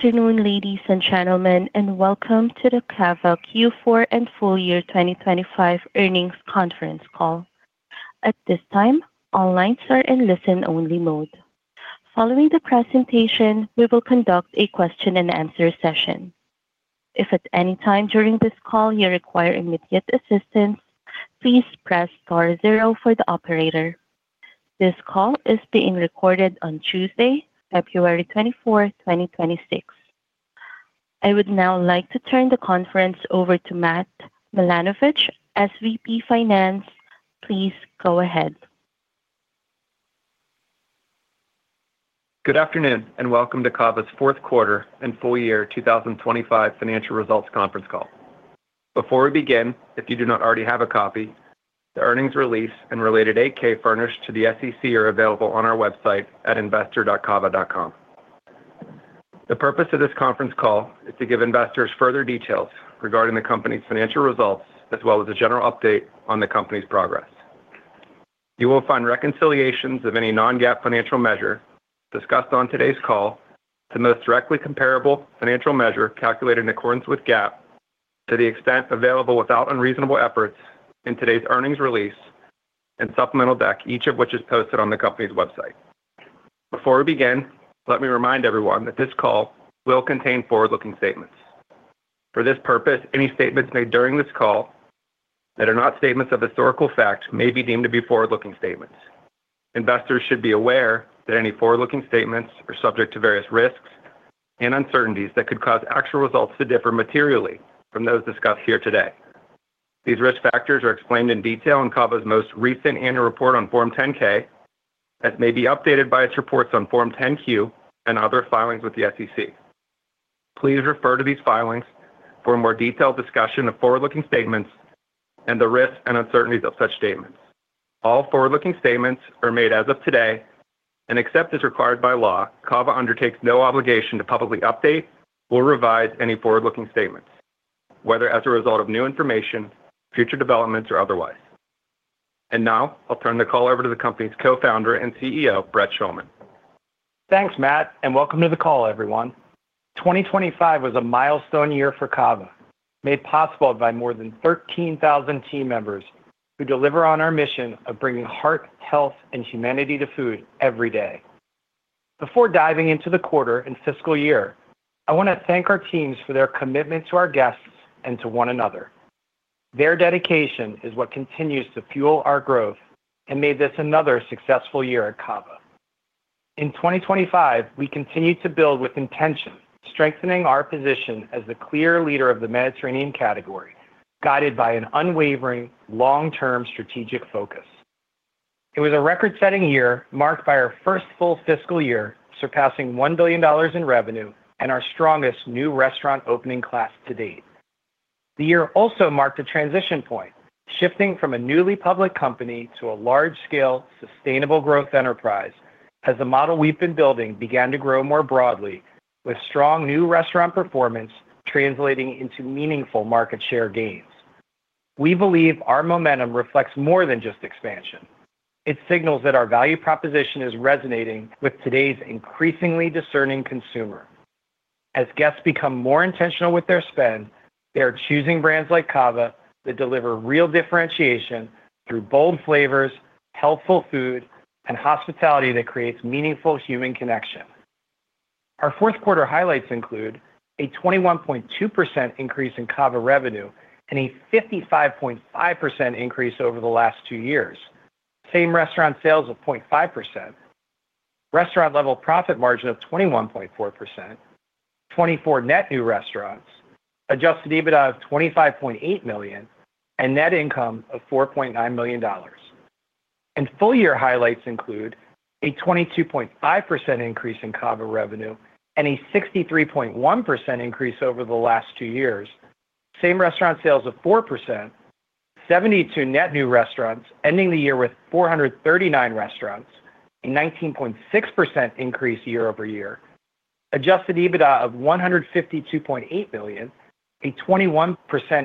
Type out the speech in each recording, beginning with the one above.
Good afternoon, ladies and gentlemen, and welcome to the CAVA Q4 and Full-year 2025 earnings conference call. At this time, all lines are in listen-only mode. Following the presentation, we will conduct a question-and-answer session. If at any time during this call you require immediate assistance, please press star zero for the operator. This call is being recorded on Tuesday, February 24th, 2026. I would now like to turn the conference over to Matt Milanovich, SVP of Finance. Please go ahead. Good afternoon, and welcome to CAVA's fourth quarter and full year financial results conference call. Before we begin, if you do not already have a copy, the earnings release and related Form 8-K furnished to the SEC are available on our website at investor.cava.com. The purpose of this conference call is to give investors further details regarding the company's financial results, as well as a general update on the company's progress. You will find reconciliations of any non-GAAP financial measure discussed on today's call to the most directly comparable financial measure calculated in accordance with GAAP, to the extent available without unreasonable efforts in today's earnings release and supplemental deck, each of which is posted on the company's website. Before we begin, let me remind everyone that this call will contain forward-looking statements. For this purpose, any statements made during this call that are not statements of historical fact may be deemed to be forward-looking statements. Investors should be aware that any forward-looking statements are subject to various risks and uncertainties that could cause actual results to differ materially from those discussed here today. These risk factors are explained in detail in CAVA's most recent annual report on Form 10-K, as may be updated by its reports on Form 10-Q and other filings with the SEC. Please refer to these filings for a more detailed discussion of forward-looking statements and the risks and uncertainties of such statements. All forward-looking statements are made as of today, and except as required by law, CAVA undertakes no obligation to publicly update or revise any forward-looking statements, whether as a result of new information, future developments, or otherwise. Now, I'll turn the call over to the company's Co-Founder and CEO, Brett Schulman. Thanks, Matt. Welcome to the call, everyone. 2025 was a milestone year for CAVA, made possible by more than 13,000 team members who deliver on our mission of bringing heart, health, and humanity to food every day. Before diving into the quarter and fiscal year, I want to thank our teams for their commitment to our guests and to one another. Their dedication is what continues to fuel our growth and made this another successful year at CAVA. In 2025, we continued to build with intention, strengthening our position as the clear leader of the Mediterranean category, guided by an unwavering long-term strategic focus. It was a record-setting year marked by our first full fiscal year, surpassing $1 billion in revenue and our strongest new restaurant opening class to date. The year also marked a transition point, shifting from a newly public company to a large-scale, sustainable growth enterprise as the model we've been building began to grow more broadly, with strong new restaurant performance translating into meaningful market share gains. We believe our momentum reflects more than just expansion. It signals that our value proposition is resonating with today's increasingly discerning consumer. As guests become more intentional with their spend, they are choosing brands like CAVA that deliver real differentiation through bold flavors, healthful food, and hospitality that creates meaningful human connection. Our fourth quarter highlights include a 21.2% increase in CAVA revenue and a 55.5% increase over the last two years. Same-restaurant sales of 0.5%, restaurant-level profit margin of 21.4%, 24 net new restaurants, adjusted EBITDA of $25.8 million, and net income of $4.9 million. Full-year highlights include a 22.5% increase in CAVA revenue and a 63.1% increase over the last two years. Same-restaurant sales of 4.0%, 72 net new restaurants, ending the year with 439 restaurants, a 19.6% increase year-over-year, adjusted EBITDA of $152.8 million, a 21%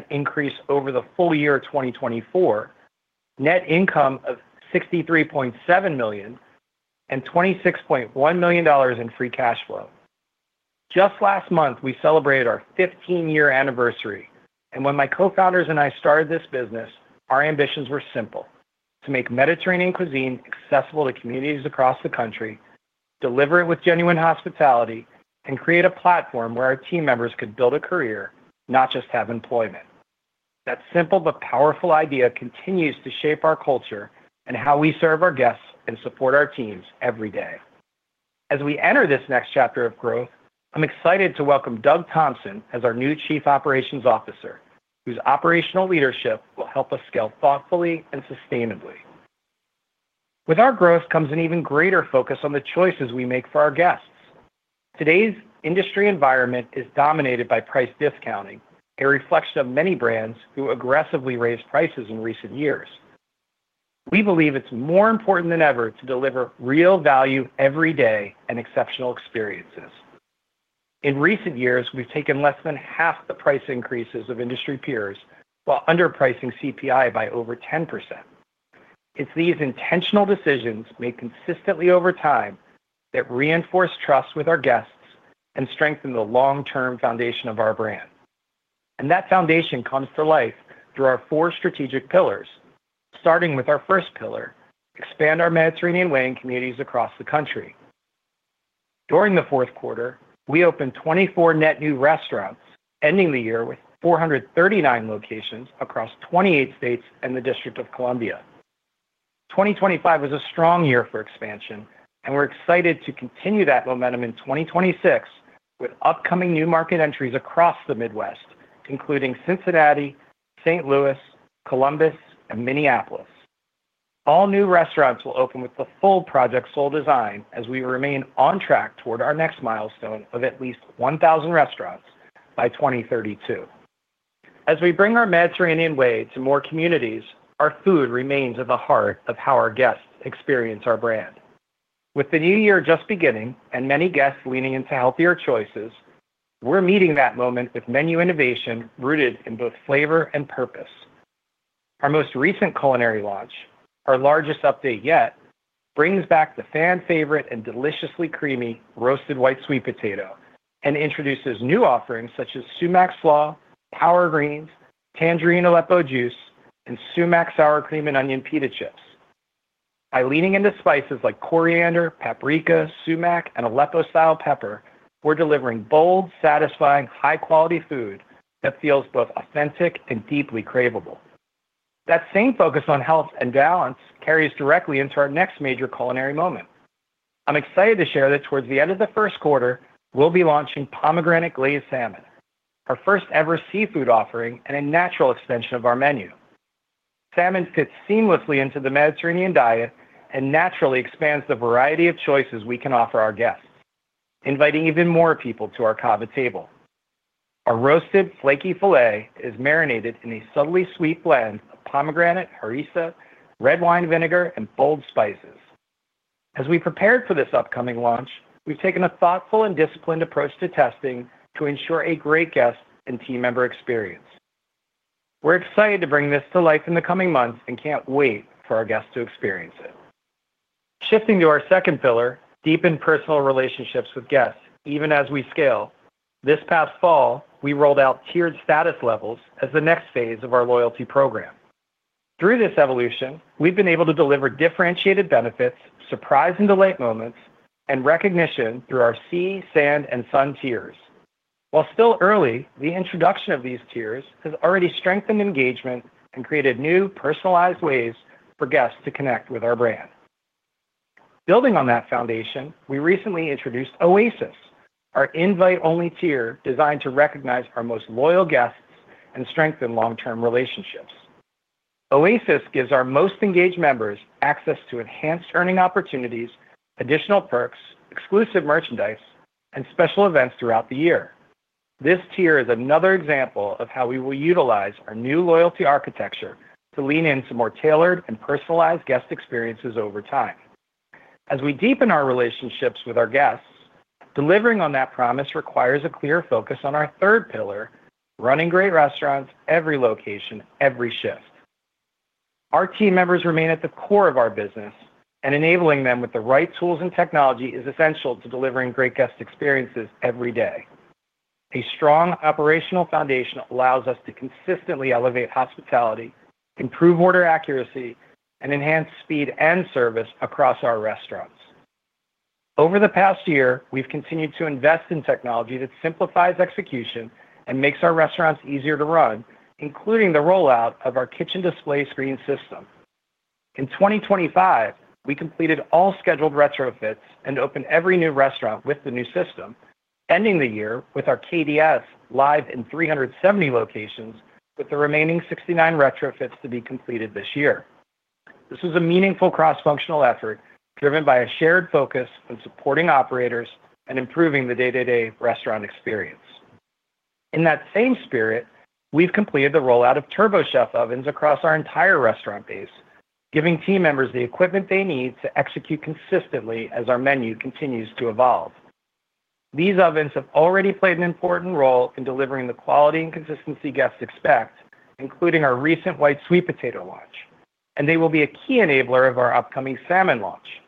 increase over the full year of 2024, net income of $63.7 million, and $26.1 million in free cash flow. Just last month, we celebrated our 15-year anniversary, and when my co-founders and I started this business, our ambitions were simple: to make Mediterranean cuisine accessible to communities across the country, deliver it with genuine hospitality, and create a platform where our team members could build a career, not just have employment. That simple but powerful idea continues to shape our culture and how we serve our guests and support our teams every day. As we enter this next chapter of growth, I'm excited to welcome Doug Thompson as our new Chief Operations Officer, whose operational leadership will help us scale thoughtfully and sustainably. With our growth comes an even greater focus on the choices we make for our guests. Today's industry environment is dominated by price discounting, a reflection of many brands who aggressively raised prices in recent years. We believe it's more important than ever to deliver real value every day and exceptional experiences. In recent years, we've taken less than half the price increases of industry peers, while underpricing CPI by over 10%. It's these intentional decisions made consistently over time that reinforce trust with our guests and strengthen the long-term foundation of our brand. That foundation comes to life through our four strategic pillars, starting with our first pillar: expand our Mediterranean way in communities across the country. During the fourth quarter, we opened 24 net new restaurants, ending the year with 439 locations across 28 states and the District of Columbia. 2025 was a strong year for expansion, and we're excited to continue that momentum in 2026 with upcoming new market entries across the Midwest, including Cincinnati, St. Louis, Columbus, and Minneapolis. All new restaurants will open with the full Project Soul design, as we remain on track toward our next milestone of at least 1,000 restaurants by 2032. We bring our Mediterranean way to more communities, our food remains at the heart of how our guests experience our brand. With the new year just beginning and many guests leaning into healthier choices, we're meeting that moment with menu innovation rooted in both flavor and purpose. Our most recent culinary launch, our largest update yet, brings back the fan favorite and deliciously creamy Roasted White Sweet Potato and introduces new offerings such as Sumac Slaw, Power Greens, Tangerine Aleppo Juice, and Sumac Sour Cream and Onion Pita Chips. By leaning into spices like coriander, paprika, sumac, and Aleppo-style pepper, we're delivering bold, satisfying, high-quality food that feels both authentic and deeply craveable. That same focus on health and balance carries directly into our next major culinary moment. I'm excited to share that towards the end of the first quarter, we'll be launching pomegranate-glazed salmon, our first-ever seafood offering and a natural extension of our menu. Salmon fits seamlessly into the Mediterranean diet and naturally expands the variety of choices we can offer our guests, inviting even more people to our CAVA table. Our roasted flaky filet is marinated in a subtly sweet blend of pomegranate, harissa, red wine vinegar, and bold spices. As we prepared for this upcoming launch, we've taken a thoughtful and disciplined approach to testing to ensure a great guest and team member experience. We're excited to bring this to life in the coming months and can't wait for our guests to experience it. Shifting to our second pillar, deepen personal relationships with guests, even as we scale. This past fall, we rolled out tiered status levels as the next phase of our loyalty program. Through this evolution, we've been able to deliver differentiated benefits, surprise and delight moments, and recognition through our sea, sand, and sun tiers. While still early, the introduction of these tiers has already strengthened engagement and created new personalized ways for guests to connect with our brand. Building on that foundation, we recently introduced Oasis, our invite-only tier, designed to recognize our most loyal guests and strengthen long-term relationships. Oasis gives our most engaged members access to enhanced earning opportunities, additional perks, exclusive merchandise, and special events throughout the year. This tier is another example of how we will utilize our new loyalty architecture to lean into more tailored and personalized guest experiences over time. As we deepen our relationships with our guests, delivering on that promise requires a clear focus on our third pillar, running great restaurants, every location, every shift. Our team members remain at the core of our business, and enabling them with the right tools and technology is essential to delivering great guest experiences every day. A strong operational foundation allows us to consistently elevate hospitality, improve order accuracy, and enhance speed and service across our restaurants. Over the past year, we've continued to invest in technology that simplifies execution and makes our restaurants easier to run, including the rollout of our kitchen display screen system. In 2025, we completed all scheduled retrofits and opened every new restaurant with the new system, ending the year with our KDS live in 370 locations, with the remaining 69 retrofits to be completed this year. This is a meaningful cross-functional effort driven by a shared focus on supporting operators and improving the day-to-day restaurant experience. In that same spirit, we've completed the rollout of TurboChef ovens across our entire restaurant base, giving team members the equipment they need to execute consistently as our menu continues to evolve. These ovens have already played an important role in delivering the quality and consistency guests expect, including our recent White Sweet Potato launch, and they will be a key enabler of our upcoming salmon launch.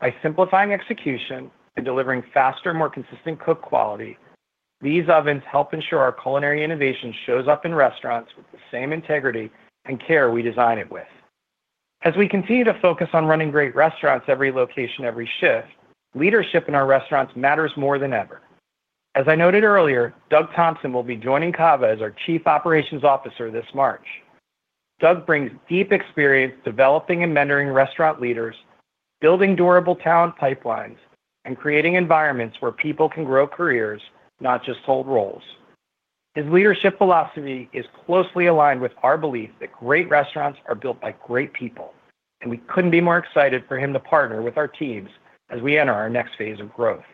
By simplifying execution and delivering faster, more consistent cook quality, these ovens help ensure our culinary innovation shows up in restaurants with the same integrity and care we design it with. As we continue to focus on running great restaurants, every location, every shift, leadership in our restaurants matters more than ever. As I noted earlier, Doug Thompson will be joining CAVA as our Chief Operations Officer this March. Doug brings deep experience developing and mentoring restaurant leaders, building durable talent pipelines, and creating environments where people can grow careers, not just hold roles. His leadership philosophy is closely aligned with our belief that great restaurants are built by great people. We couldn't be more excited for him to partner with our teams as we enter our next phase of growth.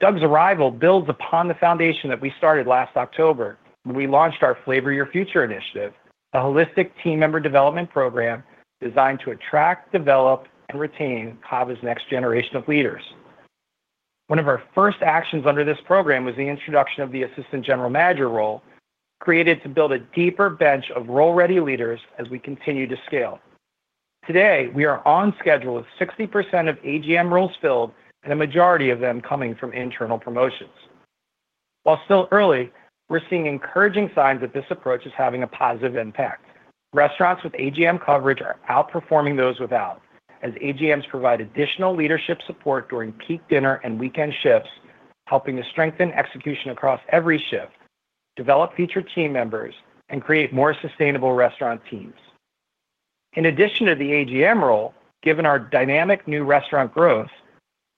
Doug's arrival builds upon the foundation that we started last October when we launched our Flavor Your Future initiative, a holistic team member development program designed to attract, develop, and retain CAVA's next generation of leaders. One of our first actions under this program was the introduction of the assistant general manager role, created to build a deeper bench of role-ready leaders as we continue to scale. Today, we are on schedule with 60% of AGM roles filled, and the majority of them coming from internal promotions. While still early, we're seeing encouraging signs that this approach is having a positive impact. Restaurants with AGM coverage are outperforming those without, as AGMs provide additional leadership support during peak dinner and weekend shifts, helping to strengthen execution across every shift, develop future team members, and create more sustainable restaurant teams. In addition to the AGM role, given our dynamic new restaurant growth,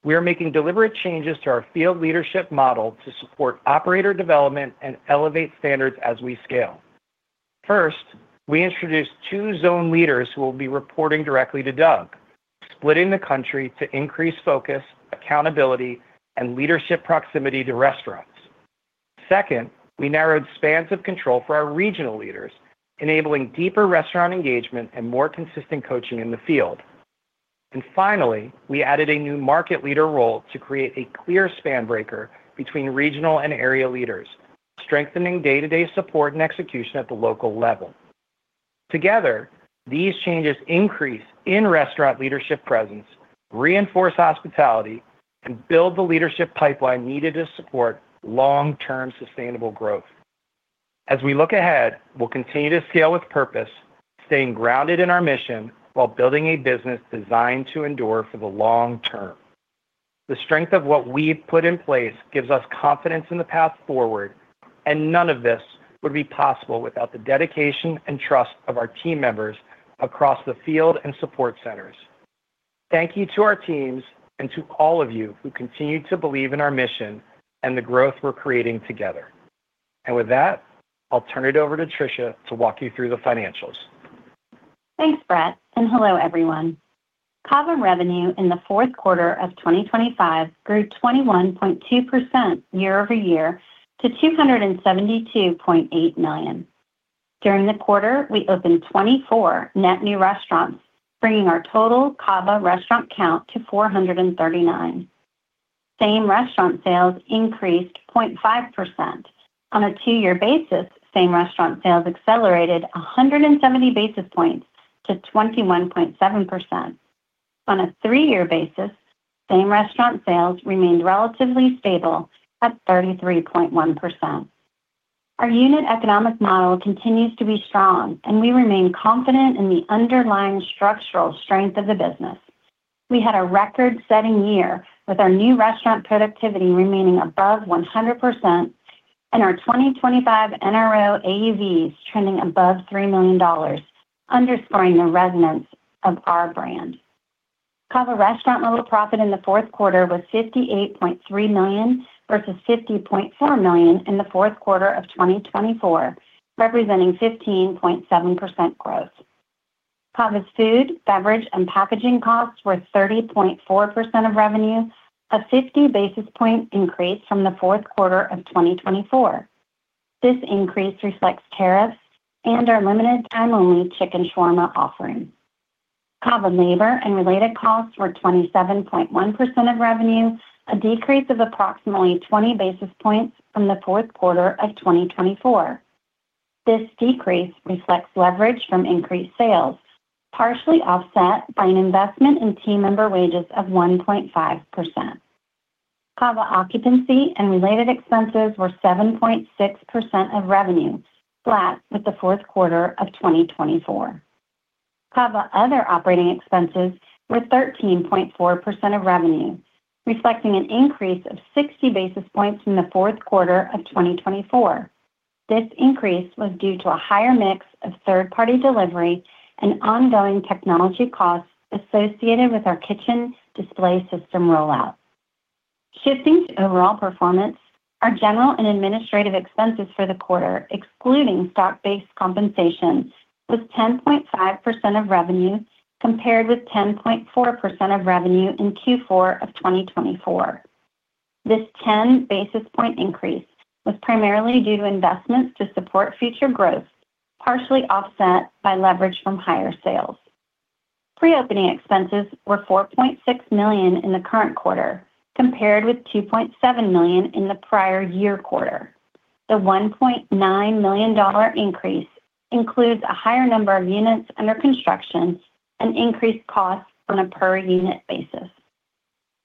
we are making deliberate changes to our field leadership model to support operator development and elevate standards as we scale. First, we introduced two zone leaders who will be reporting directly to Doug, splitting the country to increase focus, accountability, and leadership proximity to restaurants. Second, we narrowed spans of control for our regional leaders, enabling deeper restaurant engagement and more consistent coaching in the field. Finally, we added a new market leader role to create a clear span breaker between regional and area leaders, strengthening day-to-day support and execution at the local level. Together, these changes increase in-restaurant leadership presence, reinforce hospitality, and build the leadership pipeline needed to support long-term sustainable growth. As we look ahead, we'll continue to scale with purpose, staying grounded in our mission while building a business designed to endure for the long term. The strength of what we've put in place gives us confidence in the path forward, none of this would be possible without the dedication and trust of our team members across the field and support centers. Thank you to our teams and to all of you who continue to believe in our mission and the growth we're creating together. With that, I'll turn it over to Tricia to walk you through the financials. Thanks, Brett. Hello, everyone. CAVA revenue in the fourth quarter of 2025 grew 21.2% year-over-year to $272.8 million. During the quarter, we opened 24 net new restaurants, bringing our total CAVA restaurant count to 439. Same-restaurant sales increased 0.5%. On a two-year basis, same-restaurant sales accelerated 170 basis points to 21.7%. On a three-year basis, same-restaurant sales remained relatively stable at 33.1%. Our unit economic model continues to be strong. We remain confident in the underlying structural strength of the business. We had a record-setting year with our new restaurant productivity remaining above 100% and our 2025 NRO AAVs trending above $3 million, underscoring the resonance of our brand. CAVA restaurant-level profit in the fourth quarter was $58.3 million versus $50.4 million in the fourth quarter of 2024, representing 15.7% growth. CAVA's food, beverage, and packaging costs were 30.4% of revenue, a 50 basis point increase from the fourth quarter of 2024. This increase reflects tariffs and our limited time-only chicken shawarma offering. CAVA labor and related costs were 27.1% of revenue, a decrease of approximately 20 basis points from the fourth quarter of 2024. This decrease reflects leverage from increased sales, partially offset by an investment in team member wages of 1.5%. CAVA occupancy and related expenses were 7.6% of revenue, flat with the fourth quarter of 2024. CAVA other operating expenses were 13.4% of revenue, reflecting an increase of 60 basis points from the fourth quarter of 2024. This increase was due to a higher mix of third-party delivery and ongoing technology costs associated with our kitchen display system rollout. Shifting to overall performance, our general and administrative expenses for the quarter, excluding stock-based compensation, was 10.5% of revenue, compared with 10.4% of revenue in Q4 of 2024. This 10 basis point increase was primarily due to investments to support future growth, partially offset by leverage from higher sales. Pre-opening expenses were $4.6 million in the current quarter, compared with $2.7 million in the prior year quarter. The $1.9 million increase includes a higher number of units under construction and increased costs on a per-unit basis.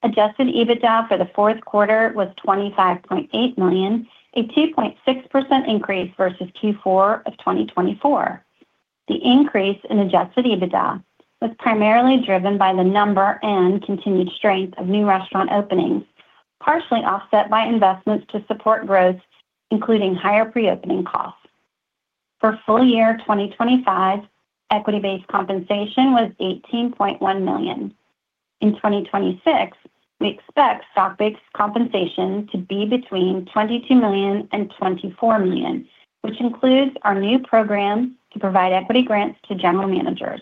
Adjusted EBITDA for the fourth quarter was $25.8 million, a 2.6% increase versus Q4 of 2024. The increase in adjusted EBITDA was primarily driven by the number and continued strength of new restaurant openings, partially offset by investments to support growth, including higher pre-opening costs. For full year 2025, equity-based compensation was $18.1 million. In 2026, we expect stock-based compensation to be between $22 million and $24 million, which includes our new program to provide equity grants to general managers.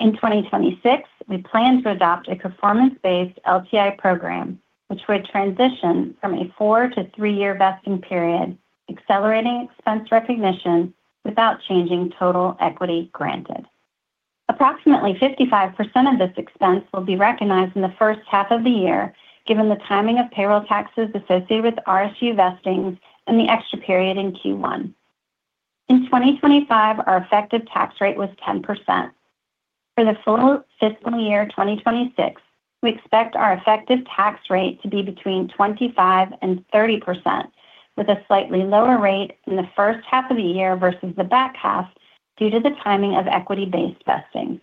In 2026, we plan to adopt a performance-based LTI program, which would transition from a four to three-year vesting period, accelerating expense recognition without changing total equity granted. approximately 55% of this expense will be recognized in the first half of the year, given the timing of payroll taxes associated with RSU vesting and the extra period in Q1. In 2025, our effective tax rate was 10%. For the full fiscal year 2026, we expect our effective tax rate to be between 25% and 30%, with a slightly lower rate in the first half of the year versus the back half due to the timing of equity-based vesting.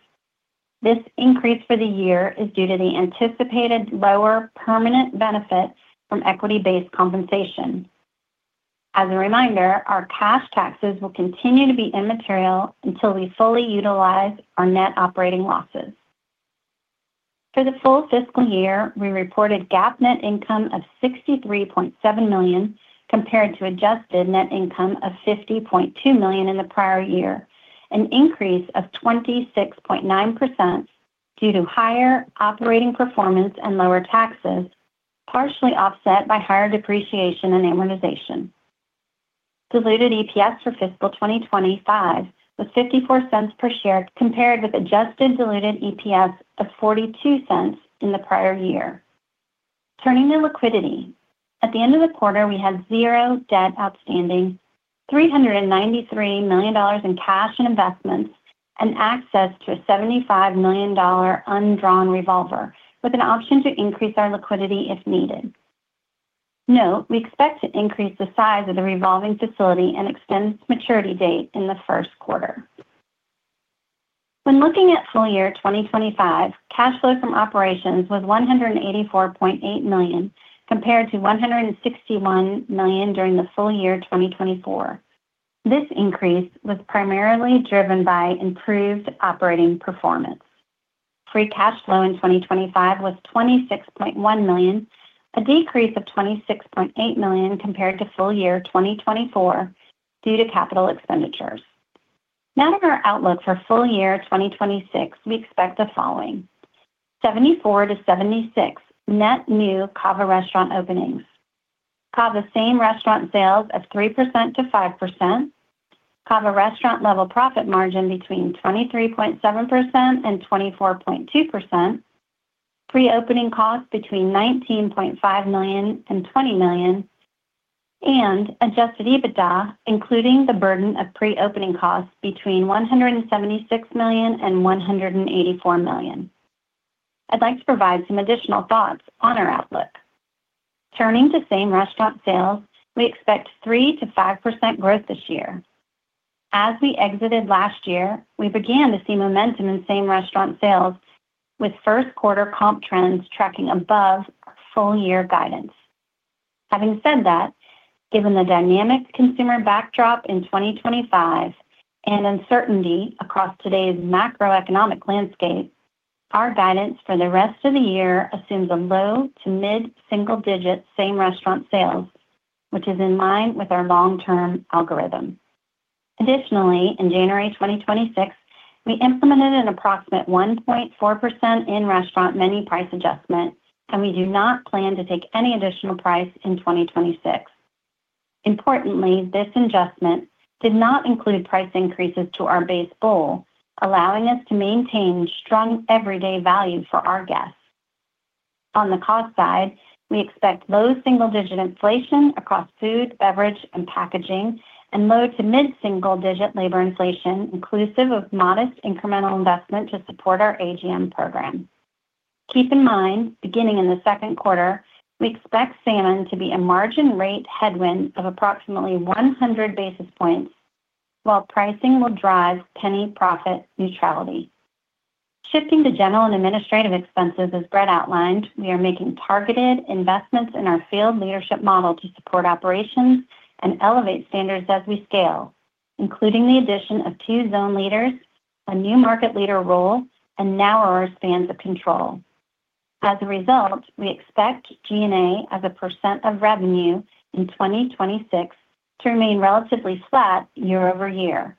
This increase for the year is due to the anticipated lower permanent benefit from equity-based compensation. As a reminder, our cash taxes will continue to be immaterial until we fully utilize our net operating losses. For the full fiscal year, we reported GAAP net income of $63.7 million, compared to adjusted net income of $50.2 million in the prior year, an increase of 26.9% due to higher operating performance and lower taxes, partially offset by higher depreciation and amortization. Diluted EPS for fiscal 2025 was $0.54 per share, compared with adjusted diluted EPS of $0.42 in the prior year. Turning to liquidity. At the end of the quarter, we had zero debt outstanding, $393 million in cash and investments, and access to a $75 million undrawn revolver, with an option to increase our liquidity if needed. Note, we expect to increase the size of the revolving facility and extend its maturity date in the first quarter. When looking at full year 2025, cash flow from operations was $184.8 million, compared to $161 million during the full year 2024. This increase was primarily driven by improved operating performance. Free cash flow in 2025 was $26.1 million, a decrease of $26.8 million compared to full year 2024 due to capital expenditures. Now, to our outlook for full year 2026, we expect the following: 74 to 76 net new CAVA restaurant openings, CAVA same-restaurant sales of 3% to 5%, CAVA restaurant-level profit margin between 23.7% and 24.2%, pre-opening costs between $19.5 million and $20 million, and adjusted EBITDA, including the burden of pre-opening costs between $176 million and $184 million. I'd like to provide some additional thoughts on our outlook. Turning to same-restaurant sales, we expect 3%-5% growth this year. As we exited last year, we began to see momentum in same-restaurant sales, with first quarter comp trends tracking above our full year guidance. Having said that, given the dynamic consumer backdrop in 2025 and uncertainty across today's macroeconomic landscape, our guidance for the rest of the year assumes a low to mid-single-digit same-restaurant sales, which is in line with our long-term algorithm. Additionally, in January 2026, we implemented an approximate 1.4% in-restaurant menu price adjustment, and we do not plan to take any additional price in 2026. Importantly, this adjustment did not include price increases to our base bowl, allowing us to maintain strong everyday value for our guests. On the cost side, we expect low single-digit inflation across food, beverage, and packaging, and low to mid-single-digit labor inflation, inclusive of modest incremental investment to support our AGM program. Keep in mind, beginning in the second quarter, we expect salmon to be a margin rate headwind of approximately 100 basis points, while pricing will drive penny profit neutrality. Shifting to general and administrative expenses, as Brett outlined, we are making targeted investments in our field leadership model to support operations and elevate standards as we scale, including the addition of 2 zone leaders, a new market leader role, and narrower spans of control. We expect G&A as a percentage of revenue in 2026 to remain relatively flat year-over-year.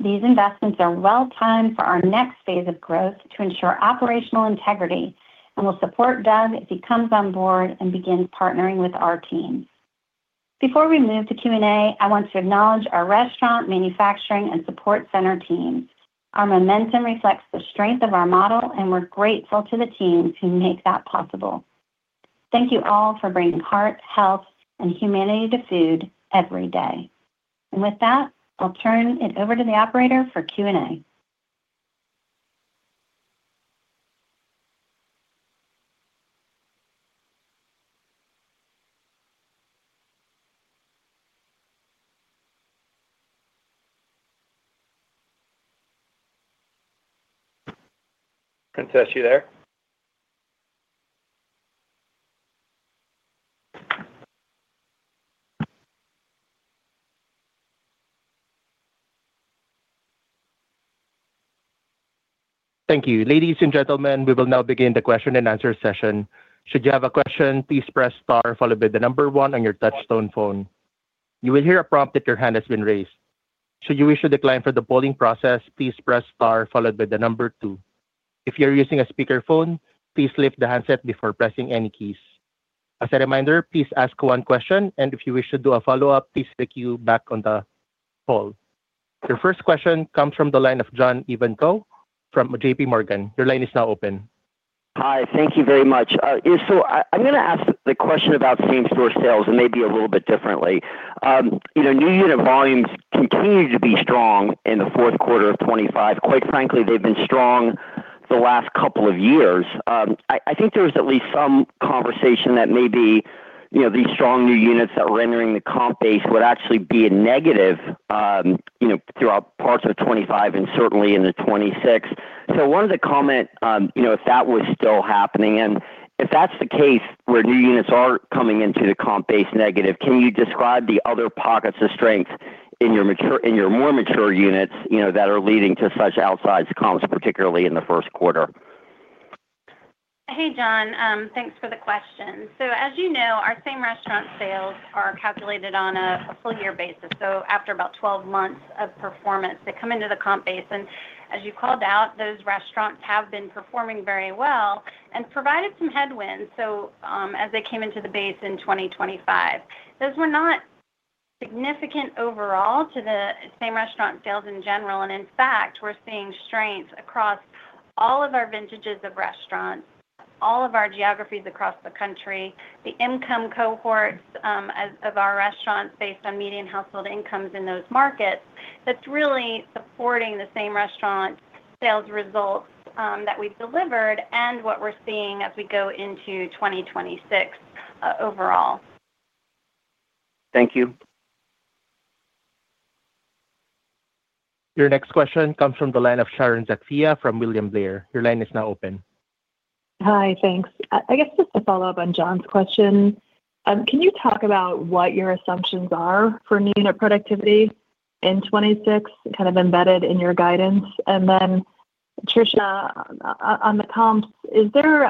These investments are well timed for our next phase of growth to ensure operational integrity and will support Doug as he comes on board and begins partnering with our team. Before we move to Q&A, I want to acknowledge our restaurant, manufacturing, and support center teams. Our momentum reflects the strength of our model, and we're grateful to the teams who make that possible. Thank you all for bringing heart, health, and humanity to food every day. With that, I'll turn it over to the operator for Q&A. Princess, you there? Thank you. Ladies and gentlemen, we will now begin the question-and-answer session. Should you have a question, please press star, followed by one on your touchtone phone. You will hear a prompt that your hand has been raised. Should you wish to decline for the polling process, please press star followed by two. If you're using a speakerphone, please lift the handset before pressing any keys. As a reminder, please ask one question, and if you wish to do a follow-up, please queue back on the call. Your first question comes from the line of John Ivankoe from JPMorgan. Your line is now open. Hi, thank you very much. I'm gonna ask the question about same-restaurant sales and maybe a little bit differently. You know, new unit volumes continue to be strong in the fourth quarter of 2025. Quite frankly, they've been strong the last couple of years. I think there was at least some conversation that maybe, you know, these strong new units that were entering the comp base would actually be a negative, you know, throughout parts of 2025 and certainly in 2026. I wanted to comment, you know, if that was still happening, and if that's the case, where new units are coming into the comp base negative, can you describe the other pockets of strength in your more mature units, you know, that are leading to such outsized comps, particularly in the first quarter? Hey, John. Thanks for the question. As you know, our same-restaurant sales are calculated on a full year basis. After about 12 months of performance, they come into the comp base, and as you called out, those restaurants have been performing very well and provided some headwinds, as they came into the base in 2025. Those were not significant overall to the same-restaurant sales in general, and in fact, we're seeing strengths across all of our vintages of restaurants, all of our geographies across the country, the income cohorts, as of our restaurants, based on median household incomes in those markets, that's really supporting the same-restaurant sales results, that we've delivered and what we're seeing as we go into 2026 overall. Thank you. Your next question comes from the line of Sharon Zackfia from William Blair. Your line is now open. Hi, thanks. I guess just to follow up on John's question, can you talk about what your assumptions are for new unit productivity in 2026, kind of, embedded in your guidance? Then, Tricia, on the comps, is there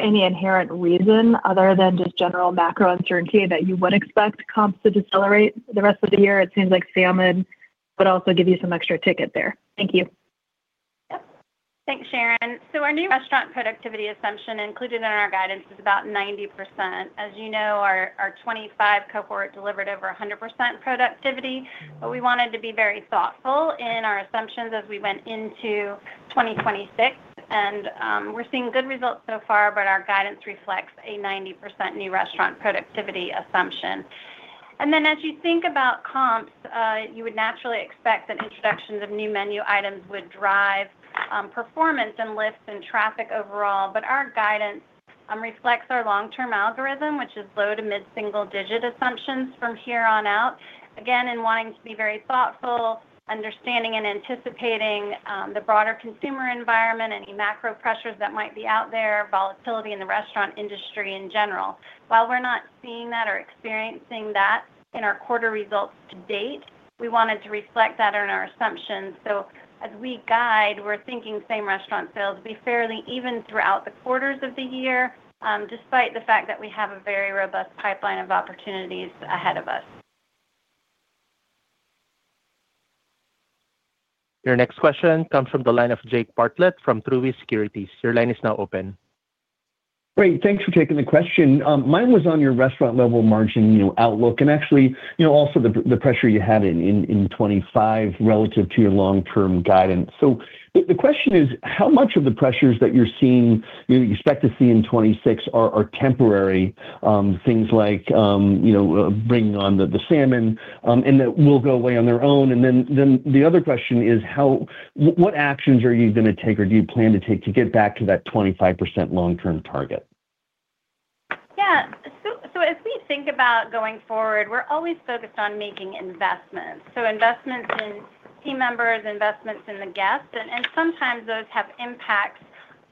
any inherent reason other than just general macro uncertainty that you would expect comps to decelerate the rest of the year? It seems like salmon would also give you some extra ticket there. Thank you. Yep. Thanks, Sharon. Our new restaurant productivity assumption included in our guidance is about 90%. As you know, our 25 cohort delivered over 100% productivity, but we wanted to be very thoughtful in our assumptions as we went into 2026. We're seeing good results so far, but our guidance reflects a 90% new restaurant productivity assumption. As you think about comps, you would naturally expect that introductions of new menu items would drive performance and lifts and traffic overall. Our guidance reflects our long-term algorithm, which is low to mid-single digit assumptions from here on out. Again, in wanting to be very thoughtful, understanding and anticipating the broader consumer environment, any macro pressures that might be out there, volatility in the restaurant industry in general. While we're not seeing that or experiencing that in our quarter results to date, we wanted to reflect that in our assumptions. As we guide, we're thinking same-restaurant sales to be fairly even throughout the quarters of the year, despite the fact that we have a very robust pipeline of opportunities ahead of us. Your next question comes from the line of Jake Bartlett from Truist Securities. Your line is now open. Great. Thanks for taking the question. Mine was on your restaurant-level margin, you know, outlook, and actually, you know, also the pressure you had in 25 relative to your long-term guidance. The question is: How much of the pressures that you're seeing, you expect to see in 26 are temporary, things like, you know, bringing on the salmon, and that will go away on their own? Then the other question is what actions are you gonna take or do you plan to take to get back to that 25% long-term target? As we think about going forward, we're always focused on making investments. Investments in team members, investments in the guests, and sometimes those have impacts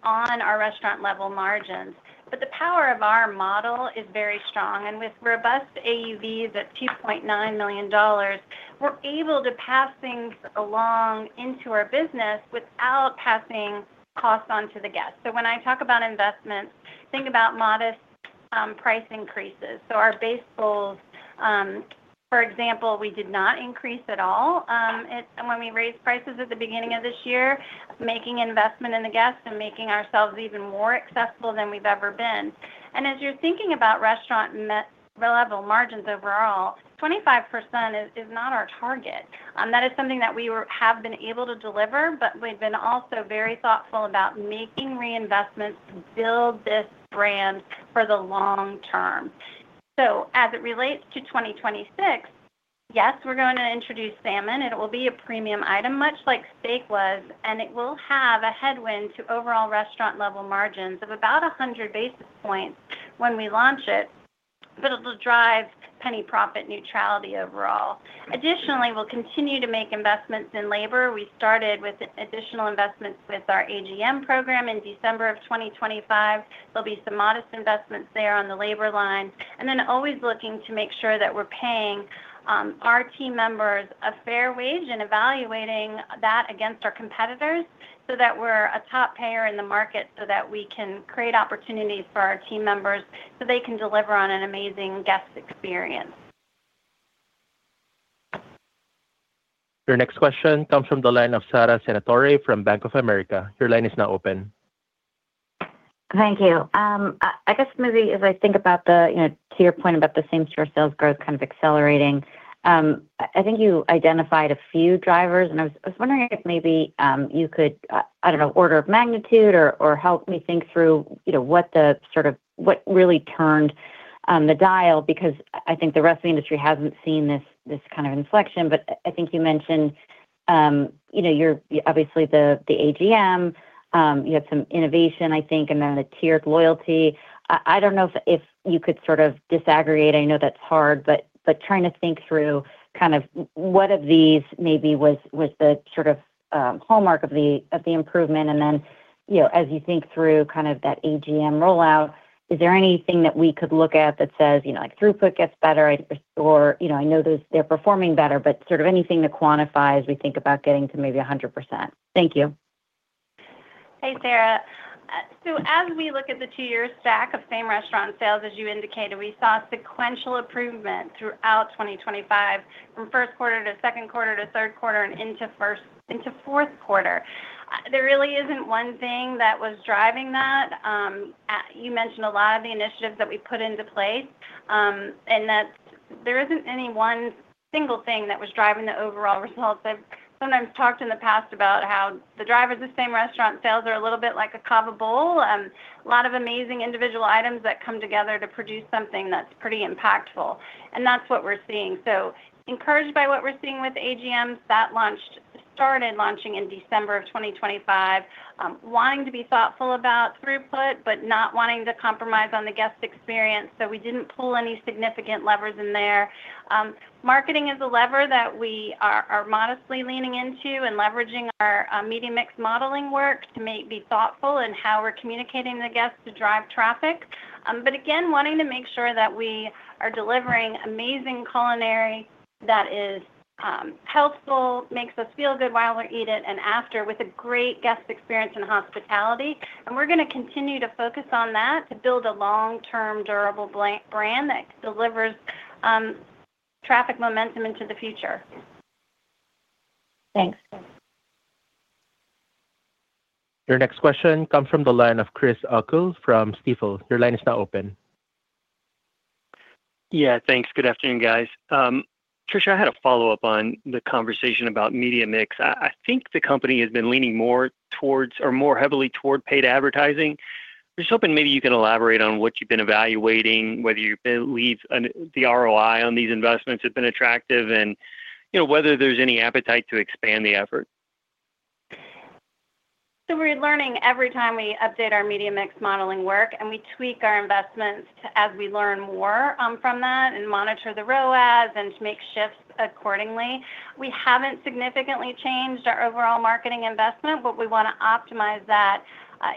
on our restaurant-level margins. The power of our model is very strong, and with robust AUVs at $2.9 million, we're able to pass things along into our business without passing costs on to the guests. When I talk about investments, think about modest price increases. Our base bowls, for example, we did not increase at all when we raised prices at the beginning of this year, making investment in the guests and making ourselves even more accessible than we've ever been. As you're thinking about restaurant-level margins overall, 25% is not our target. That is something that we have been able to deliver, but we've been also very thoughtful about making reinvestments to build this brand for the long term. As it relates to 2026, yes, we're going to introduce salmon, and it will be a premium item, much like steak was, and it will have a headwind to overall restaurant-level margins of about 100 basis points when we launch it, but it'll drive penny profit neutrality overall. Additionally, we'll continue to make investments in labor. We started with additional investments with our AGM program in December of 2025. There'll be some modest investments there on the labor line, and then always looking to make sure that we're paying our team members a fair wage and evaluating that against our competitors, so that we're a top payer in the market, so that we can create opportunities for our team members, so they can deliver on an amazing guest experience. Your next question comes from the line of Sara Senatore from Bank of America. Your line is now open. Thank you. I guess maybe as I think about the, you know, to your point about the same-store sales growth kind of accelerating, I think you identified a few drivers, and I was wondering if maybe you could, I don't know, order of magnitude or help me think through, you know, what the sort of what really turned the dial, because I think the wrestling industry hasn't seen this kind of inflection. I think you mentioned, you know, your, obviously, the AGM, you have some innovation, I think, and then a tiered loyalty. I don't know if you could sort of disaggregate. I know that's hard, but trying to think through kind of what of these maybe was the sort of hallmark of the improvement, you know, as you think through kind of that AGM rollout, is there anything that we could look at that says, you know, like, throughput gets better, or, you know, I know they're performing better, but sort of anything to quantify as we think about getting to maybe 100%? Thank you. Hey, Sara. As we look at the two-year stack of same-restaurant sales, as you indicated, we saw sequential improvement throughout 2025, from first quarter to second quarter to third quarter and into fourth quarter. There really isn't one thing that was driving that. You mentioned a lot of the initiatives that we put into place, and that there isn't any one single thing that was driving the overall results. I've sometimes talked in the past about how the drivers of same-restaurant sales are a little bit like a cava bowl, a lot of amazing individual items that come together to produce something that's pretty impactful, and that's what we're seeing. Encouraged by what we're seeing with AGMs, that started launching in December of 2025, wanting to be thoughtful about throughput, but not wanting to compromise on the guest experience, so we didn't pull any significant levers in there. Marketing is a lever that we are modestly leaning into and leveraging our media mix modeling work to be thoughtful in how we're communicating to guests to drive traffic. Again, wanting to make sure that we are delivering amazing culinary that is healthful, makes us feel good while we eat it and after, with a great guest experience and hospitality. We're gonna continue to focus on that to build a long-term, durable brand that delivers traffic momentum into the future. Thanks. Your next question comes from the line of Chris O'Cull from Stifel. Your line is now open. Yeah, thanks. Good afternoon, guys. Tricia, I had a follow-up on the conversation about media mix. I think the company has been leaning more towards or more heavily toward paid advertising. Just hoping maybe you could elaborate on what you've been evaluating, whether you believe the ROI on these investments have been attractive and, you know, whether there's any appetite to expand the effort. We're learning every time we update our media mix modeling work, and we tweak our investments to as we learn more from that and monitor the ROAS and to make shifts accordingly. We haven't significantly changed our overall marketing investment, but we wanna optimize that.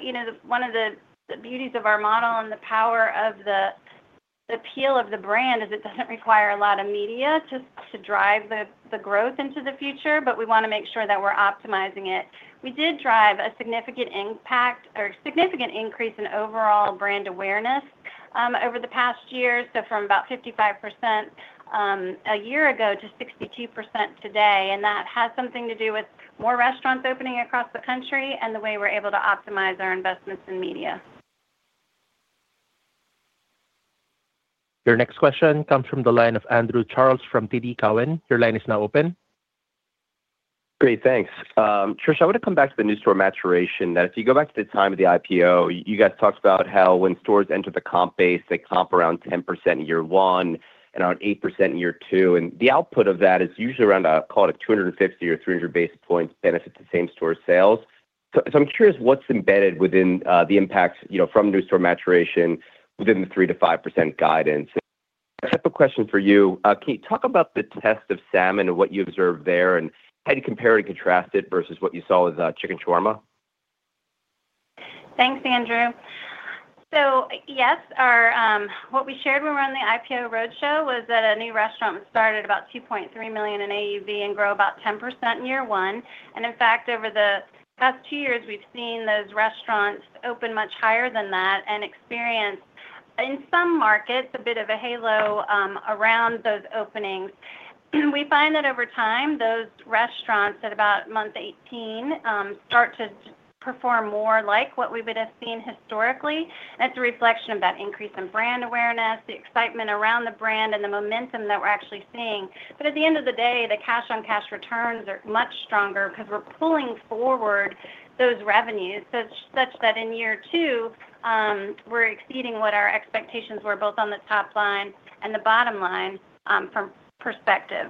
You know, one of the beauties of our model and the power of the appeal of the brand is it doesn't require a lot of media to drive the growth into the future, but we wanna make sure that we're optimizing it. We did drive a significant impact or significant increase in overall brand awareness over the past year, so from about 55% a year ago to 62% today, and that has something to do with more restaurants opening across the country and the way we're able to optimize our investments in media. Your next question comes from the line of Andrew Charles from TD Cowen. Your line is now open. Great. Thanks. Tricia, I want to come back to the new store maturation, that if you go back to the time of the IPO, you guys talked about how when stores enter the comp base, they comp around 10% in year one and around 8% in year two, and the output of that is usually around, call it a 250 or 300 basis points benefit to same-store sales. I'm curious what's embedded within the impacts, you know, from new store maturation within the 3%-5% guidance? I have a question for you. Can you talk about the test of salmon and what you observed there, and how do you compare and contrast it versus what you saw with chicken shawarma? Thanks, Andrew. Yes, our, what we shared when we were on the IPO roadshow was that a new restaurant started about $2.3 million in AUV and grow about 10% in year 1. In fact, over the past 2 years, we've seen those restaurants open much higher than that and experience, in some markets, a bit of a halo around those openings. We find that over time, those restaurants at about month 18, start to perform more like what we would have seen historically. That's a reflection of that increase in brand awareness, the excitement around the brand, and the momentum that we're actually seeing. At the end of the day, the cash-on-cash returns are much stronger because we're pulling forward those revenues, such that in year 2, we're exceeding what our expectations were, both on the top line and the bottom line, from perspective.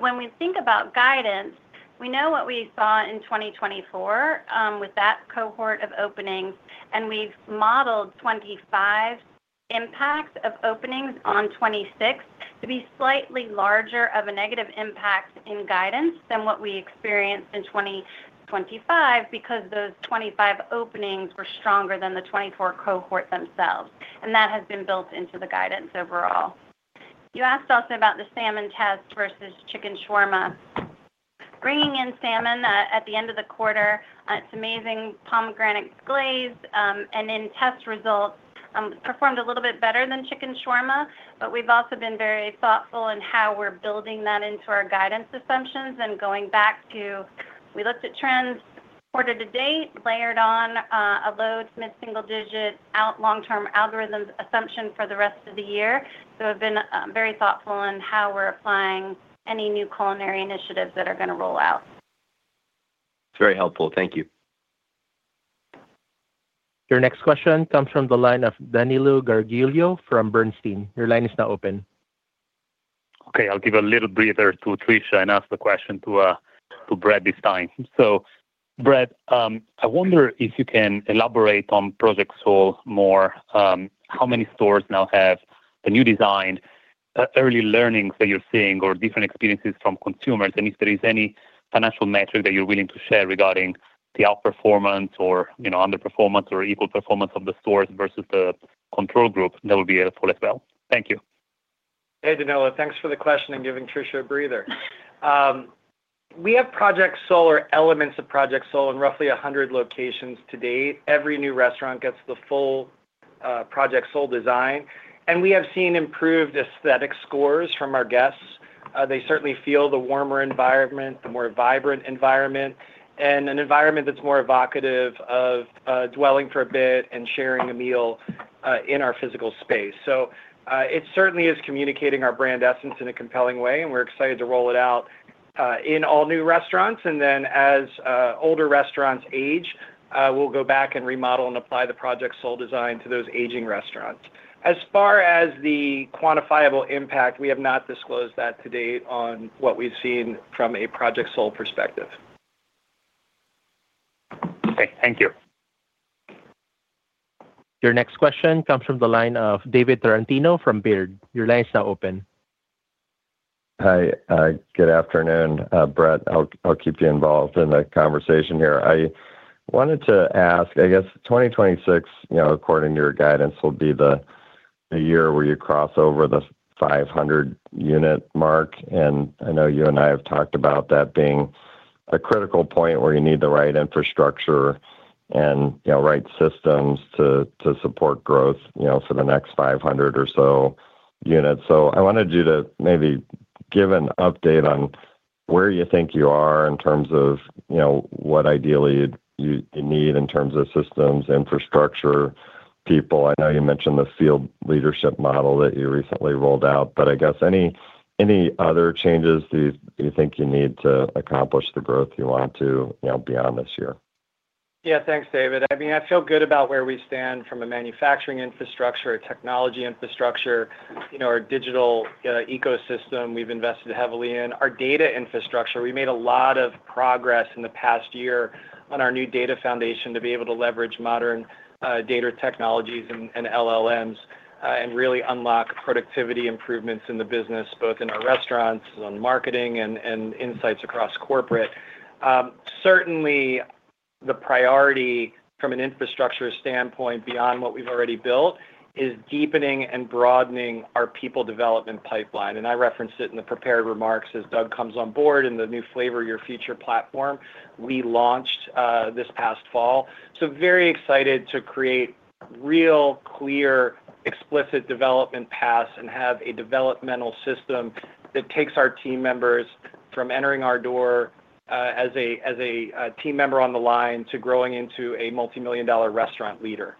When we think about guidance, we know what we saw in 2024 with that cohort of openings, and we've modeled 25 impacts of openings on 2026 to be slightly larger of a negative impact in guidance than what we experienced in 2025, because those 25 openings were stronger than the 24 cohort themselves, and that has been built into the guidance overall. You asked also about the salmon test versus chicken shawarma. Bringing in salmon at the end of the quarter, it's amazing pomegranate glaze, and in test results, performed a little bit better than chicken shawarma. We've also been very thoughtful in how we're building that into our guidance assumptions and going back to we looked at trends quarter to date, layered on a low to mid single-digit out long-term algorithms assumption for the rest of the year. We've been very thoughtful in how we're applying any new culinary initiatives that are going to roll out. Very helpful. Thank you. Your next question comes from the line of Danilo Gargiulo from Bernstein. Your line is now open. I'll give a little breather to Tricia and ask the question to Brett this time. Brett, I wonder if you can elaborate on Project Soul more. How many stores now have the new design, early learnings that you're seeing or different experiences from consumers, and if there is any financial metric that you're willing to share regarding the outperformance or, you know, underperformance or equal performance of the stores versus the control group, that would be helpful as well. Thank you. Hey, Danilo, thanks for the question and giving Tricia a breather. We have Project Soul or elements of Project Soul in roughly 100 locations to date. Every new restaurant gets the full Project Soul design, and we have seen improved aesthetic scores from our guests. They certainly feel the warmer environment, the more vibrant environment, and an environment that's more evocative of dwelling for a bit and sharing a meal in our physical space. It certainly is communicating our brand essence in a compelling way, and we're excited to roll it out in all new restaurants, and then as older restaurants age, we'll go back and remodel and apply the Project Soul design to those aging restaurants. As far as the quantifiable impact, we have not disclosed that to date on what we've seen from a Project Soul perspective. Okay, thank you. Your next question comes from the line of David Tarantino from Baird. Your line is now open. Hi, good afternoon. Brett, I'll keep you involved in the conversation here. I wanted to ask, I guess, 2026, you know, according to your guidance, will be the year where you cross over the 500 unit mark. I know you and I have talked about that being a critical point where you need the right infrastructure and, you know, right systems to support growth, you know, for the next 500 or so units. I wanted you to maybe give an update on where you think you are in terms of, you know, what ideally you'd need in terms of systems, infrastructure, people. I know you mentioned the field leadership model that you recently rolled out, but I guess any other changes do you think you need to accomplish the growth you want to, you know, beyond this year? Yeah. Thanks, David. I mean, I feel good about where we stand from a manufacturing infrastructure, a technology infrastructure, you know, our digital ecosystem we've invested heavily in. Our data infrastructure, we made a lot of progress in the past year on our new data foundation to be able to leverage modern data technologies and LLMs and really unlock productivity improvements in the business, both in our restaurants, on marketing, and insights across corporate. Certainly, the priority from an infrastructure standpoint beyond what we've already built is deepening and broadening our people development pipeline. I referenced it in the prepared remarks as Doug comes on board in the new Flavor Your Future platform we launched this past fall. Very excited to create real, clear, explicit development paths and have a developmental system that takes our team members from entering our door, as a team member on the line to growing into a multimillion-dollar restaurant leader.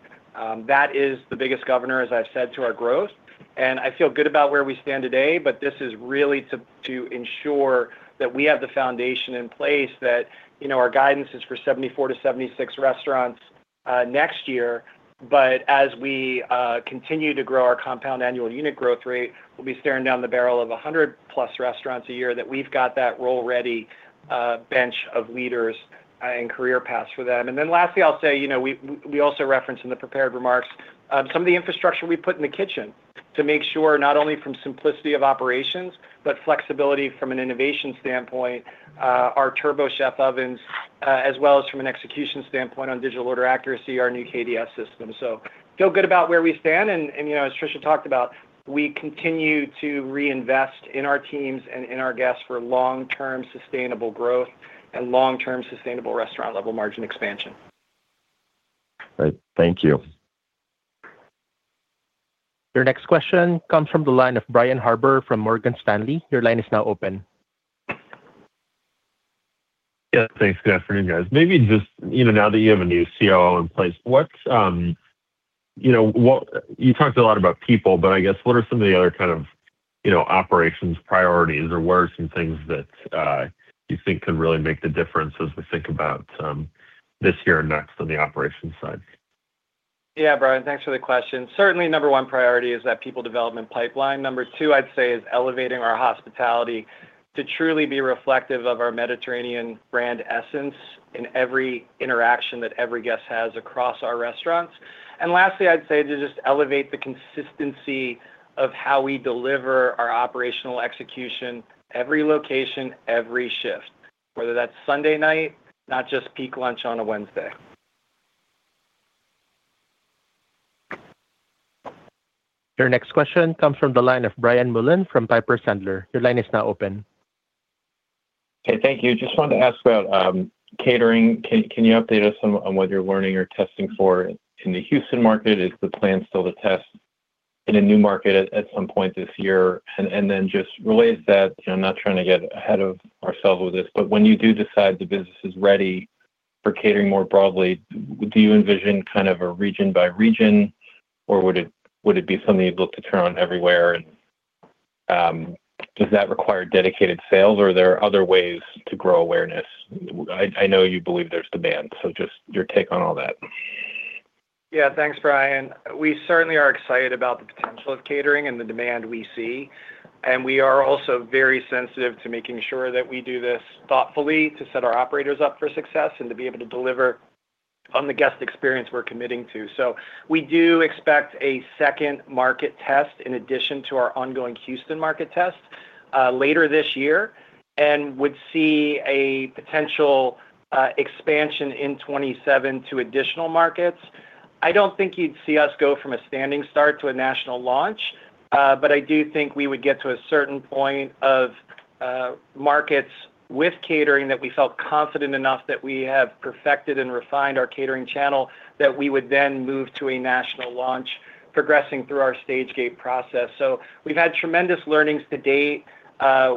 That is the biggest governor, as I've said, to our growth, and I feel good about where we stand today. This is really to ensure that we have the foundation in place that, you know, our guidance is for 74-76 restaurants, next year. As we continue to grow our compound annual unit growth rate, we'll be staring down the barrel of 100+ restaurants a year, that we've got that role ready, bench of leaders, and career paths for them. Lastly, I'll say, you know, we also referenced in the prepared remarks, some of the infrastructure we put in the kitchen to make sure not only from simplicity of operations, but flexibility from an innovation standpoint, our TurboChef ovens, as well as from an execution standpoint on digital order accuracy, our new KDS system. Feel good about where we stand and, you know, as Tricia talked about, we continue to reinvest in our teams and in our guests for long-term sustainable growth and long-term sustainable restaurant-level margin expansion. All right. Thank you. Your next question comes from the line of Brian Harbour from Morgan Stanley. Your line is now open. Thanks. Good afternoon, guys. Maybe just, you know, now that you have a new COO in place, what's, you know, You talked a lot about people, I guess, what are some of the other kind of, you know, operations priorities, what are some things that you think could really make the difference as we think about this year and next on the operations side? Yeah, Brian, thanks for the question. Certainly, number one priority is that people development pipeline. Number two, I'd say, is elevating our hospitality to truly be reflective of our Mediterranean brand essence in every interaction that every guest has across our restaurants. Lastly, I'd say to just elevate the consistency of how we deliver our operational execution, every location, every shift, whether that's Sunday night, not just peak lunch on a Wednesday. Your next question comes from the line of Brian Mullan from Piper Sandler. Your line is now open. Okay, thank you. Just wanted to ask about catering. Can you update us on what you're learning or testing for in the Houston market? Is the plan still to test in a new market at some point this year? Then just related to that, you know, I'm not trying to get ahead of ourselves with this, but when you do decide the business is ready for catering more broadly, do you envision kind of a region by region, or would it be something you'd look to turn on everywhere? Does that require dedicated sales, or are there other ways to grow awareness? I know you believe there's demand, just your take on all that. Yeah, thanks, Brian. We certainly are excited about the potential of catering and the demand we see, and we are also very sensitive to making sure that we do this thoughtfully to set our operators up for success and to be able to deliver on the guest experience we're committing to. We do expect a second market test in addition to our ongoing Houston market test, later this year, and would see a potential expansion in 2027 to additional markets. I don't think you'd see us go from a standing start to a national launch, but I do think we would get to a certain point of markets with catering that we felt confident enough that we have perfected and refined our catering channel, that we would then move to a national launch progressing through our stage gate process. We've had tremendous learnings to date.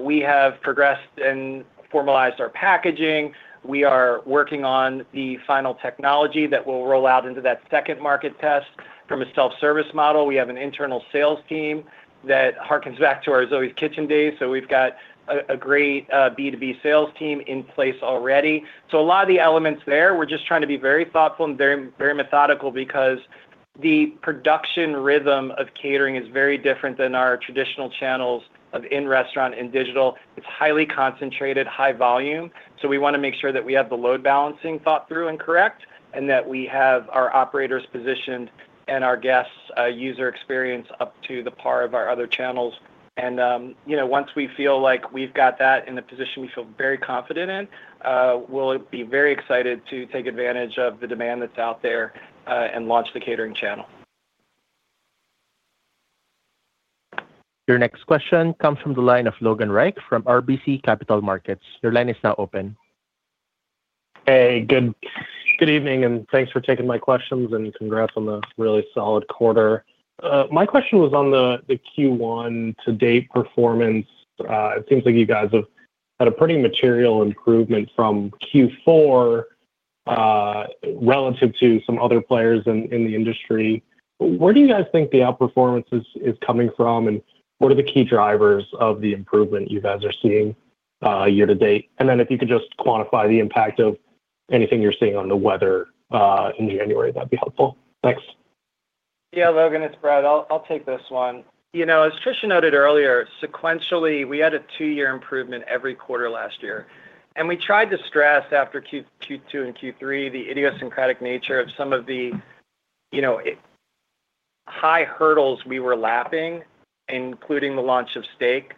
We have progressed and formalized our packaging. We are working on the final technology that will roll out into that second market test from a self-service model. We have an internal sales team that harkens back to our Zoës Kitchen days, we've got a great B2B sales team in place already. A lot of the elements there, we're just trying to be very thoughtful and very methodical because the production rhythm of catering is very different than our traditional channels of in-restaurant and digital. It's highly concentrated, high volume, we wanna make sure that we have the load balancing thought through and correct, and that we have our operators positioned and our guests user experience up to the par of our other channels. You know, once we feel like we've got that in a position we feel very confident in, we'll be very excited to take advantage of the demand that's out there, and launch the catering channel. Your next question comes from the line of Logan Reich from RBC Capital Markets. Your line is now open. Good evening, thanks for taking my questions, congrats on the really solid quarter. My question was on the Q1 to-date performance. It seems like you guys have had a pretty material improvement from Q4 relative to some other players in the industry. Where do you guys think the outperformance is coming from, and what are the key drivers of the improvement you guys are seeing year to date? If you could just quantify the impact of anything you're seeing on the weather in January, that'd be helpful. Thanks. Yeah, Logan, it's Brett. I'll take this one. You know, as Tricia noted earlier, sequentially, we had a two-year improvement every quarter last year, and we tried to stress after Q2 and Q3, the idiosyncratic nature of some of the, you know, high hurdles we were lapping, including the launch of Steak,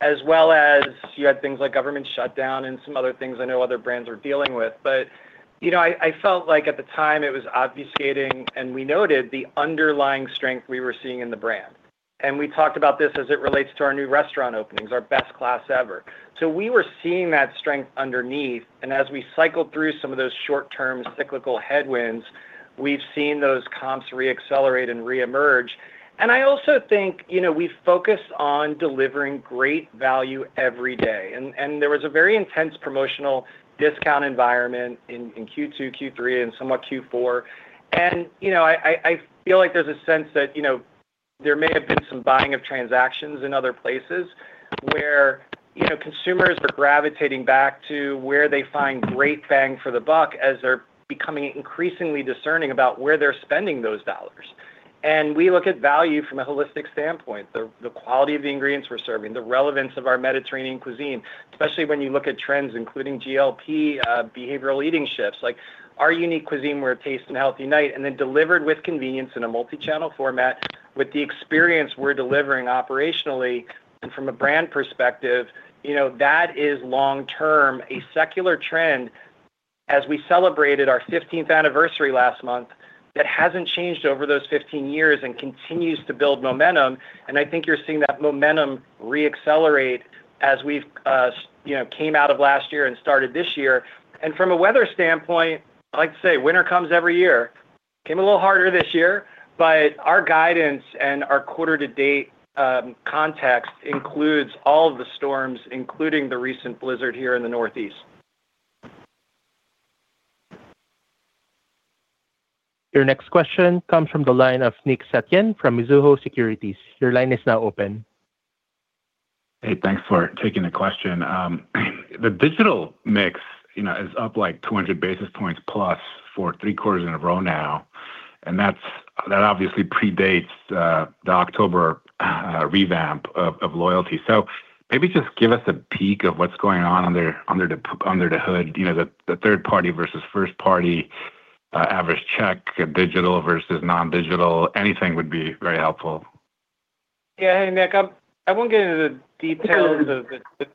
as well as you had things like government shutdown and some other things I know other brands are dealing with. But, you know, I felt like at the time it was obfuscating, and we noted the underlying strength we were seeing in the brand. And we talked about this as it relates to our new restaurant openings, our best class ever. So we were seeing that strength underneath, and as we cycled through some of those short-term cyclical headwinds, we've seen those comps re-accelerate and reemerge. I also think, you know, we focused on delivering great value every day. There was a very intense promotional discount environment in Q2, Q3, and somewhat Q4. I feel like there's a sense that, you know, there may have been some buying of transactions in other places where, you know, consumers are gravitating back to where they find great bang for the buck as they're becoming increasingly discerning about where they're spending those dollars. We look at value from a holistic standpoint, the quality of the ingredients we're serving, the relevance of our Mediterranean cuisine, especially when you look at trends, including GLP-1, behavioral eating shifts, like our unique cuisine, where it tastes and healthy night, and then delivered with convenience in a multi-channel format with the experience we're delivering operationally and from a brand perspective, you know, that is long-term, a secular trend as we celebrated our 15th anniversary last month, that hasn't changed over those 15 years and continues to build momentum. I think you're seeing that momentum re-accelerate as we've, you know, came out of last year and started this year. From a weather standpoint, I like to say, winter comes every year. Came a little harder this year, but our guidance and our quarter-to-date, context includes all of the storms, including the recent blizzard here in the Northeast. Your next question comes from the line of Nick Setyan from Mizuho Securities. Your line is now open. Hey, thanks for taking the question. The digital mix, you know, is up, like, 200 basis points plus for 3 quarters in a row now, that obviously predates the October revamp of loyalty. Maybe just give us a peek of what's going on under the hood, you know, the third party versus first party average check, digital versus non-digital. Anything would be very helpful. Yeah, hey, Nick. I won't get into the details of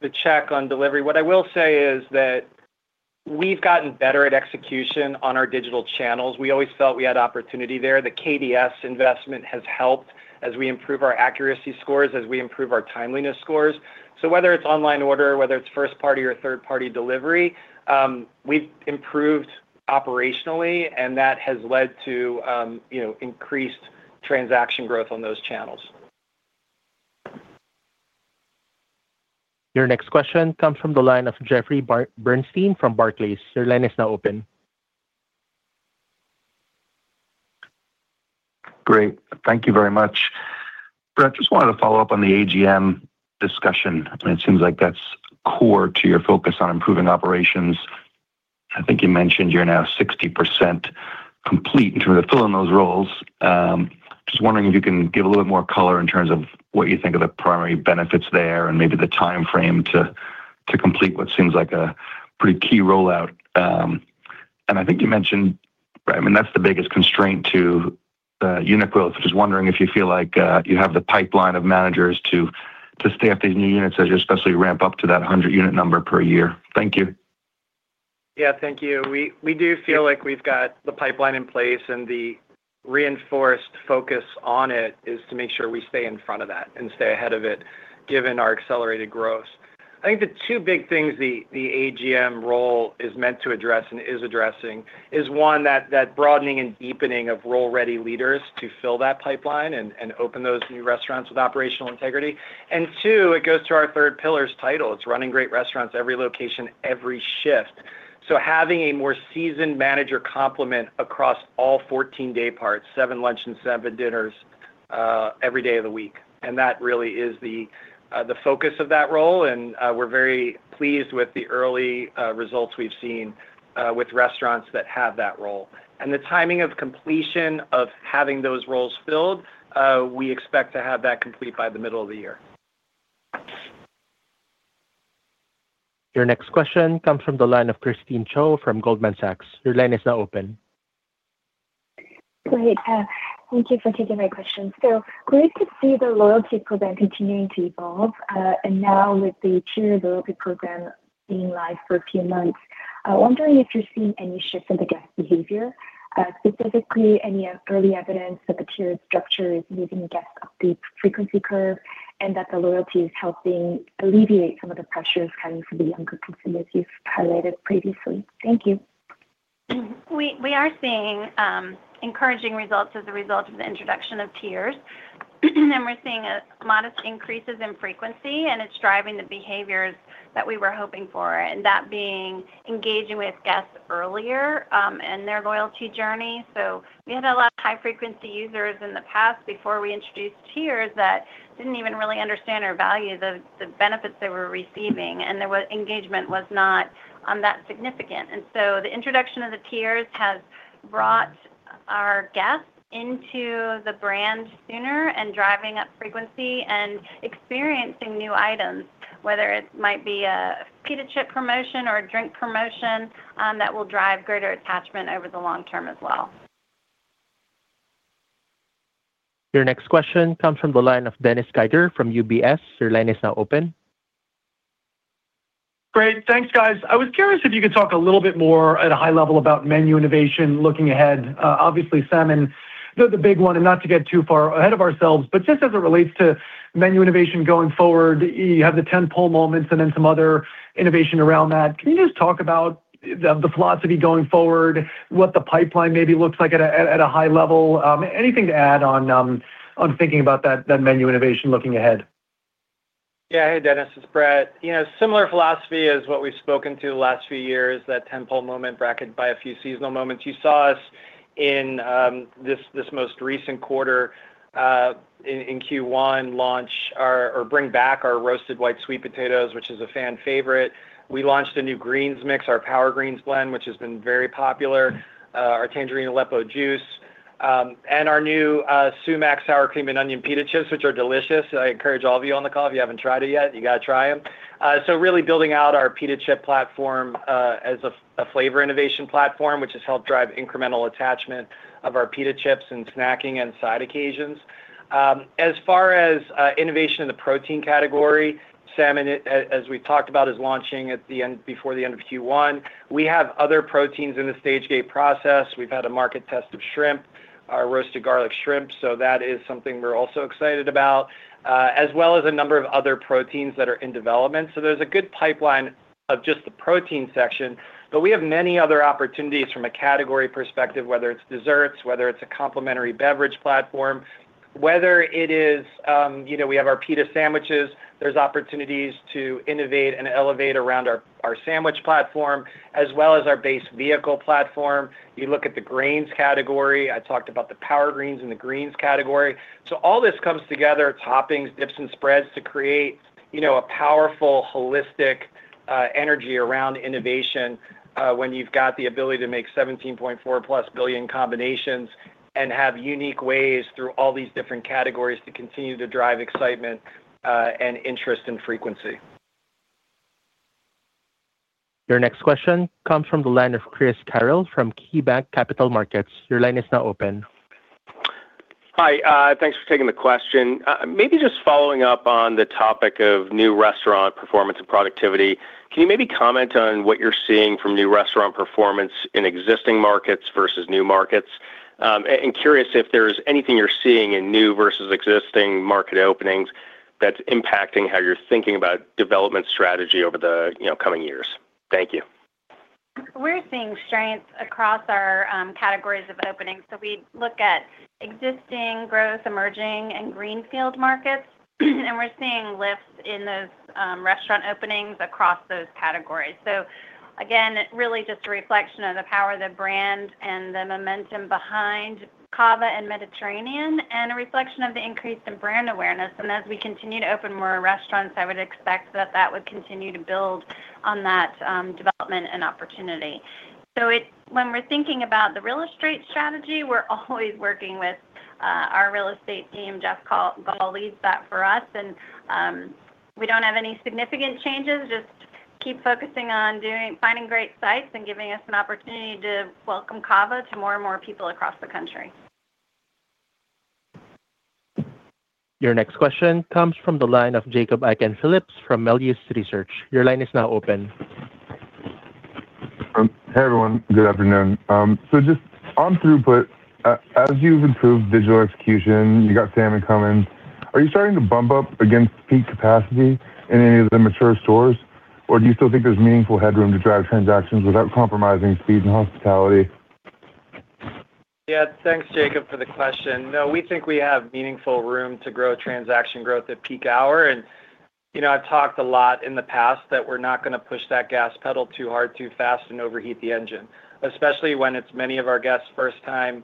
the check on delivery. What I will say is: We've gotten better at execution on our digital channels. We always felt we had opportunity there. The KDS investment has helped as we improve our accuracy scores, as we improve our timeliness scores. Whether it's online order, whether it's first party or third party delivery, we've improved operationally, and that has led to, you know, increased transaction growth on those channels. Your next question comes from the line of Jeffrey Bernstein from Barclays. Your line is now open. Great. Thank you very much. Brett, just wanted to follow up on the AGM discussion. It seems like that's core to your focus on improving operations. I think you mentioned you're now 60% complete in terms of filling those roles. Just wondering if you can give a little more color in terms of what you think are the primary benefits there and maybe the time frame to complete what seems like a pretty key rollout. I think you mentioned, right, I mean, that's the biggest constraint to new unit goal. Just wondering if you feel like you have the pipeline of managers to staff these new units as you especially ramp up to that 100-unit number per year. Thank you. Yeah, thank you. We do feel like we've got the pipeline in place, and the reinforced focus on it is to make sure we stay in front of that and stay ahead of it, given our accelerated growth. I think the two big things the AGM role is meant to address and is addressing is, one, that broadening and deepening of role-ready leaders to fill that pipeline and open those new restaurants with operational integrity. Two, it goes to our third pillar's title. It's running great restaurants, every location, every shift. Having a more seasoned manager complement across all 14 day parts, 7 lunch and 7 dinners, every day of the week. That really is the focus of that role, and we're very pleased with the early results we've seen with restaurants that have that role. The timing of completion of having those roles filled, we expect to have that complete by the middle of the year. Your next question comes from the line of Christine Cho from Goldman Sachs. Your line is now open. Great. Thank you for taking my question. Great to see the loyalty program continuing to evolve, and now with the tier loyalty program being live for a few months, wondering if you're seeing any shifts in the guest behavior, specifically any early evidence that the tiered structure is moving guests up the frequency curve and that the loyalty is helping alleviate some of the pressures coming from the younger consumers you've highlighted previously. Thank you. We are seeing encouraging results as a result of the introduction of tiers. We're seeing a modest increases in frequency, and it's driving the behaviors that we were hoping for, and that being engaging with guests earlier in their loyalty journey. We had a lot of high-frequency users in the past before we introduced tiers that didn't even really understand or value the benefits they were receiving, and there was engagement was not that significant. The introduction of the tiers has brought our guests into the brand sooner and driving up frequency and experiencing new items, whether it might be a pita chip promotion or a drink promotion, that will drive greater attachment over the long term as well. Your next question comes from the line of Dennis Geiger from UBS. Your line is now open. Great. Thanks, guys. I was curious if you could talk a little bit more at a high level about menu innovation looking ahead. obviously, salmon, the big one, not to get too far ahead of ourselves, but just as it relates to menu innovation going forward, you have the 10 pull moments and then some other innovation around that. Can you just talk about the philosophy going forward, what the pipeline maybe looks like at a high level? anything to add on thinking about that menu innovation looking ahead? Yeah. Hey, Dennis, it's Brett. You know, similar philosophy as what we've spoken to the last few years, that 10 pull moment bracket by a few seasonal moments. You saw us in this most recent quarter, in Q1, bring back our Roasted White Sweet Potato, which is a fan favorite. We launched a new greens mix, our Power Greens blend, which has been very popular, our Tangerine Aleppo Juice, and our new Sumac Sour Cream + Onion Pita Chips, which are delicious. I encourage all of you on the call, if you haven't tried it yet, you got to try them. Really building out our pita chip platform, as a flavor innovation platform, which has helped drive incremental attachment of our pita chips and snacking and side occasions. As far as innovation in the protein category, salmon, as we talked about, is launching before the end of Q1. We have other proteins in the stage gate process. We've had a market test of shrimp, our roasted garlic shrimp, so that is something we're also excited about, as well as a number of other proteins that are in development. There's a good pipeline of just the protein section, but we have many other opportunities from a category perspective, whether it's desserts, whether it's a complementary beverage platform, whether it is, you know, we have our pita sandwiches. There's opportunities to innovate and elevate around our sandwich platform, as well as our base vehicle platform. You look at the grains category, I talked about the Power Greens and the greens category. All this comes together, toppings, dips, and spreads, to create, you know, a powerful, holistic, energy around innovation, when you've got the ability to make 17.4+ billion combinations and have unique ways through all these different categories to continue to drive excitement, and interest and frequency. Your next question comes from the line of Eric Gonzalez from KeyBanc Capital Markets. Your line is now open. Hi, thanks for taking the question. Maybe just following up on the topic of new restaurant performance and productivity. Can you maybe comment on what you're seeing from new restaurant performance in existing markets versus new markets? Curious if there's anything you're seeing in new versus existing market openings that's impacting how you're thinking about development strategy over the, you know, coming years. Thank you. We're seeing strengths across our categories of openings. We look at existing growth, emerging and greenfield markets, and we're seeing lifts in those restaurant openings across those categories. Again, really just a reflection of the power of the brand and the momentum behind CAVA and Mediterranean, and a reflection of the increase in brand awareness. As we continue to open more restaurants, I would expect that that would continue to build on that development and opportunity. When we're thinking about the real estate strategy, we're always working with our real estate team. Jeff Gault leads that for us, and we don't have any significant changes. Just keep focusing on doing, finding great sites and giving us an opportunity to welcome CAVA to more and more people across the country. Your next question comes from the line of Jacob Aiken-Phillips from Melius Research. Your line is now open. Hey, everyone. Good afternoon. Just on throughput, as you've improved digital execution, you got some new equipment, are you starting to bump up against peak capacity in any of the mature stores, or do you still think there's meaningful headroom to drive transactions without compromising speed and hospitality? Yeah. Thanks, Jacob, for the question. No, we think we have meaningful room to grow transaction growth at peak hour. You know, I've talked a lot in the past that we're not gonna push that gas pedal too hard, too fast and overheat the engine, especially when it's many of our guests' first time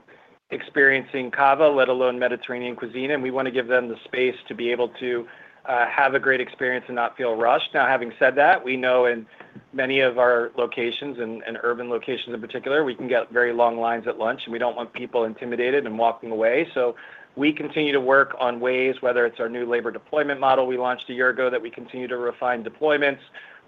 experiencing CAVA, let alone Mediterranean cuisine, and we want to give them the space to be able to have a great experience and not feel rushed. Now, having said that, we know in many of our locations and urban locations in particular, we can get very long lines at lunch, and we don't want people intimidated and walking away. We continue to work on ways, whether it's our new labor deployment model we launched a year ago, that we continue to refine deployments,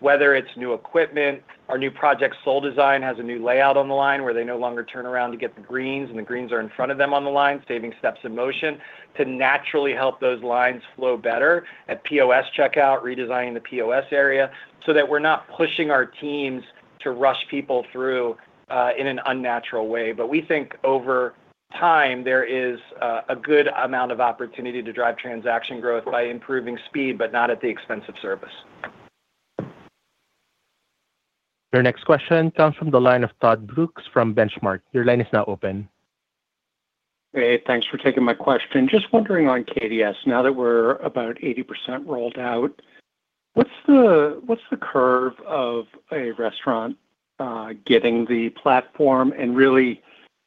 whether it's new equipment. Our new Project Soul design has a new layout on the line, where they no longer turn around to get the greens, and the greens are in front of them on the line, saving steps and motion to naturally help those lines flow better. At POS checkout, redesigning the POS area so that we're not pushing our teams to rush people through in an unnatural way. We think over time, there is a good amount of opportunity to drive transaction growth by improving speed, but not at the expense of service. Your next question comes from the line of Todd Brooks from Benchmark. Your line is now open. Hey, thanks for taking my question. Just wondering on KDS, now that we're about 80% rolled out, what's the curve of a restaurant getting the platform and really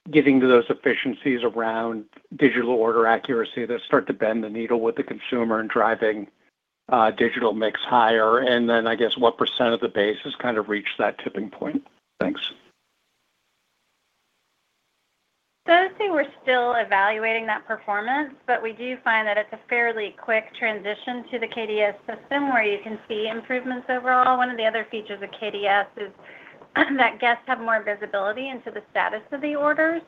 getting to those efficiencies around digital order accuracy that start to bend the needle with the consumer and driving digital mix higher? I guess, what % of the base has kind of reached that tipping point? Thanks. I'd say we're still evaluating that performance, we do find that it's a fairly quick transition to the KDS system, where you can see improvements overall. One of the other features of KDS is that guests have more visibility into the status of the order.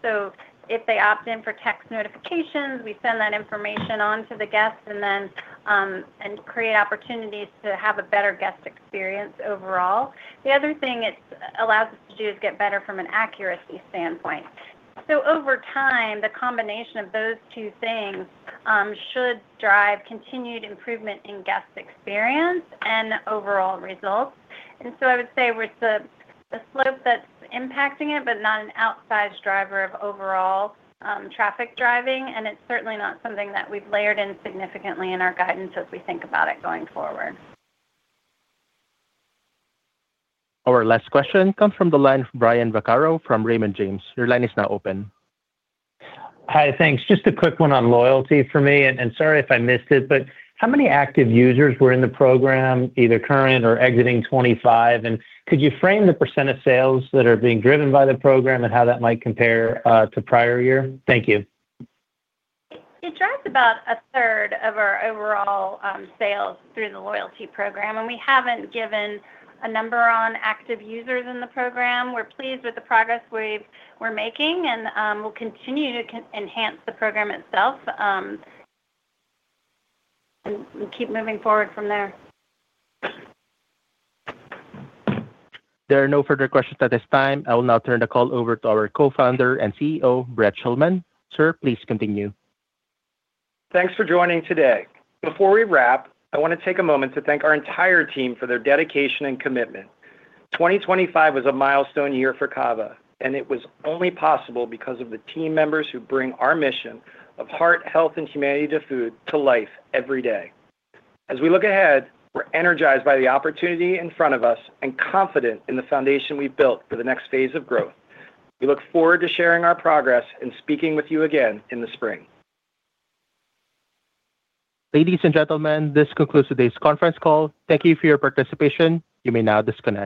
If they opt in for text notifications, we send that information on to the guests and create opportunities to have a better guest experience overall. The other thing it allows us to do is get better from an accuracy standpoint. Over time, the combination of those two things should drive continued improvement in guest experience and overall results. I would say with the slope that's impacting it, but not an outsized driver of overall, traffic driving, and it's certainly not something that we've layered in significantly in our guidance as we think about it going forward. Our last question comes from the line of Brian Vaccaro from Raymond James. Your line is now open. Hi, thanks. Just a quick one on loyalty for me, and sorry if I missed it, but how many active users were in the program, either current or exiting 25? Could you frame the % of sales that are being driven by the program and how that might compare to prior year? Thank you. It drives about a third of our overall sales through the loyalty program, and we haven't given a number on active users in the program. We're pleased with the progress we're making, and we'll continue to enhance the program itself and keep moving forward from there. There are no further questions at this time. I will now turn the call over to our Co-Founder and CEO, Brett Schulman. Sir, please continue. Thanks for joining today. Before we wrap, I want to take a moment to thank our entire team for their dedication and commitment. 2025 was a milestone year for CAVA, and it was only possible because of the team members who bring our mission of heart, health, and humanity to food to life every day. As we look ahead, we're energized by the opportunity in front of us and confident in the foundation we've built for the next phase of growth. We look forward to sharing our progress and speaking with you again in the spring. Ladies and gentlemen, this concludes today's conference call. Thank you for your participation. You may now disconnect.